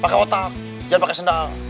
pakai otak jangan pakai sendal